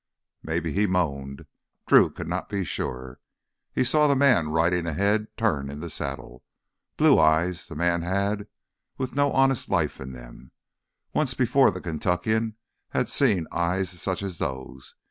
Maybe he moaned; Drew could not be sure. He saw the man riding ahead turn in the saddle. Blue eyes, the man had, with no honest life in them. Once before the Kentuckian had seen eyes such as those.